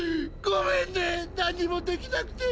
ごめんね何もできなくて。